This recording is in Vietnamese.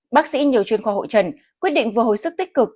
bác sĩ nhiều chuyên khoa hội trần quyết định vừa hồi sức tích cực